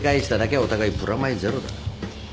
お互いプラマイゼロだ。